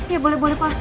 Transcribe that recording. ya boleh boleh pak